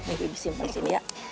nih bibit simpen sini ya